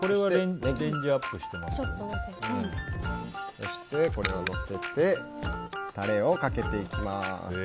そして、これをのせてタレをかけていきます。